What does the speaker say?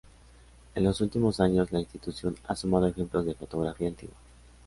En los últimos años, la institución ha sumado ejemplos de fotografía antigua.